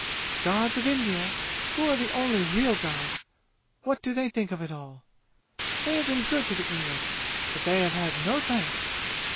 The gods of India, who are the only real gods, what do they think of it all! They have been good to the English, but they have had no thanks.